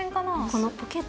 このポケットの。